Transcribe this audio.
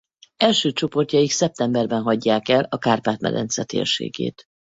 Első csoportjaik szeptemberben hagyják el a Kárpát-medence térségét.